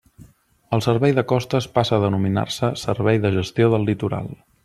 El Servei de Costes passa a denominar-se Servei de Gestió del Litoral.